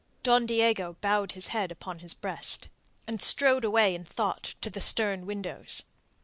Don Diego bowed his head upon his breast, and strode away in thought to the stern windows.